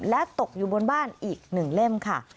และตกอยู่บนบ้านอีก๑เล่มค่ะ